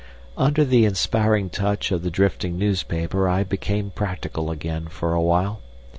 Under the inspiring touch of the drifting newspaper I became practical again for a while.